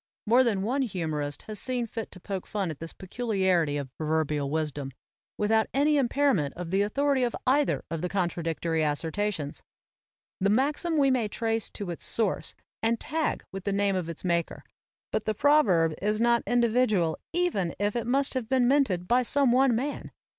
More than one humorist has seen fit to poke fun at this peculiarity of proverbial wisdom, without any impairment of the authority of either of the contradictory assertions. The maxim we may trace to its source and tag with the name of its maker, but the proverb is not individual even if it must have been minted by some one man.